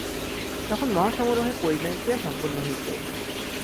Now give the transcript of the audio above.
তখন মহাসমারোহে পরিণয়ক্রিয়া সম্পন্ন হইত।